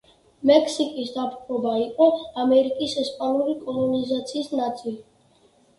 მექსიკის დაპყრობა იყო ამერიკის ესპანური კოლონიზაციის ნაწილი.